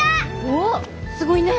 おっすごいね。